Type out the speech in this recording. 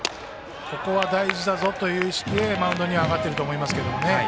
ここは大事だぞという意識でマウンドには上がっていると思いますけどね。